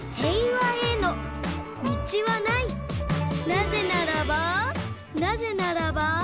「なぜならばなぜならば」